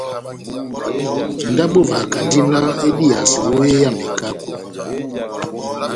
Ndabo evahakandi náh ediyase ó hé ya mekako.